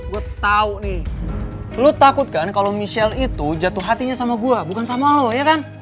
gue tau nih lu takut kan kalau michelle itu jatuh hatinya sama gue bukan sama lo ya kan